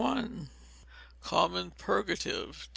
Common Purgative.